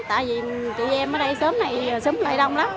tại vì chị em ở đây xóm này xóm lại đông lắm